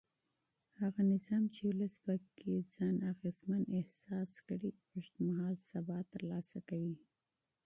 هغه نظام چې ولس پکې ځان اغېزمن احساس کړي اوږد مهاله ثبات ترلاسه کوي